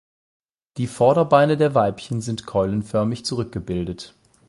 Die Vorderbeine der Weibchen sind keulenförmig zurückgebildet.